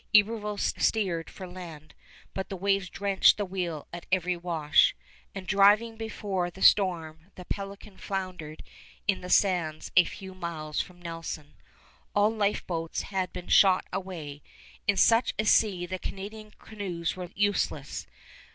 Iberville steered for land, but waves drenched the wheel at every wash, and, driving before the storm, the Pelican floundered in the sands a few miles from Nelson. All lifeboats had been shot away. In such a sea the Canadian canoes were useless.